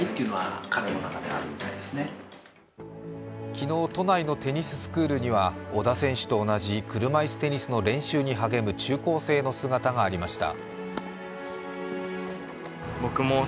昨日、都内のテニススクールには小田選手と同じ車いすテニスの練習に励む中高生の姿がありました。